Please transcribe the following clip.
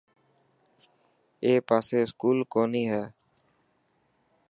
اڻي پاسي اسڪول ڪوني هي.